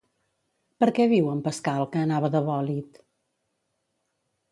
Per què diu, en Pascal, que anava de bòlit?